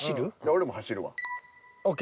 俺も走るわ。ＯＫ。